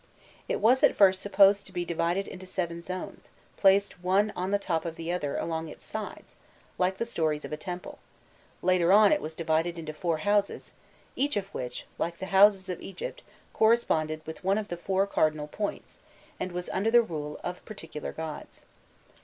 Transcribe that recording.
It was at first supposed to be divided into seven zones, placed one on the top of the other along its sides, like the stories of a temple; later on it was divided into four "houses," each of which, like the "houses" of Egypt, corresponded with one of the four cardinal points, and was under the rule of particular gods.